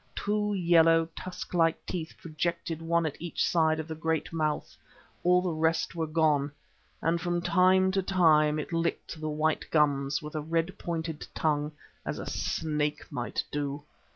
Two yellow, tusk like teeth projected one at each corner of the great mouth; all the rest were gone, and from time to time it licked the white gums with a red pointed tongue as a snake might do.